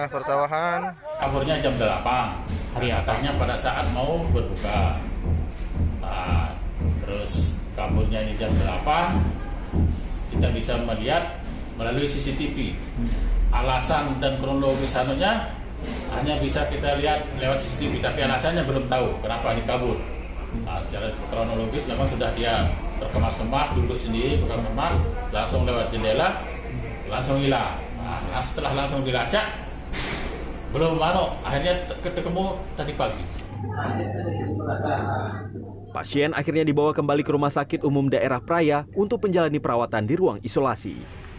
pasien akhirnya dibawa kembali ke rumah sakit umum daerah praia untuk penjalani perawatan di ruang isolasi